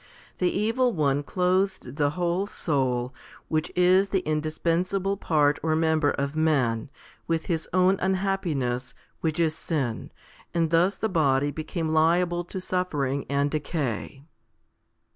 The evil one clothed the whole soul, which is the indispensable part or member of man, with his own unhappiness, which is sin, and thus the body became liable to suffering and decay.